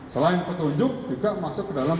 selain petunjuk juga masuk ke dalam